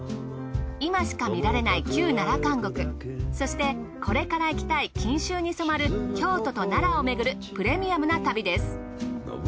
今しか見られない旧奈良監獄そしてこれから行きたい錦秋に染まる京都と奈良をめぐるプレミアムな旅です。